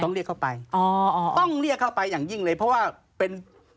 เรียกเข้าไปอ๋อต้องเรียกเข้าไปอย่างยิ่งเลยเพราะว่าเป็น